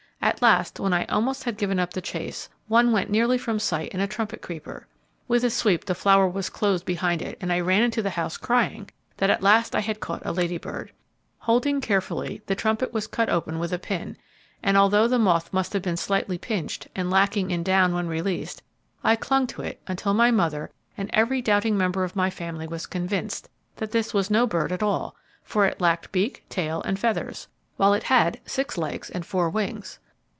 At last, when I almost had given up the chase, one went nearly from sight in a trumpet creeper. With a sweep the flower was closed behind it, and I ran into the house crying that at last I had caught a Lady Bird. Holding carefully, the trumpet was cut open with a pin, and although the moth must have been slightly pinched, and lacking in down when released, I clung to it until my mother and every doubting member of my family was convinced that this was no bird at all, for it lacked beak, tail, and feathers, while it had six legs and four wings.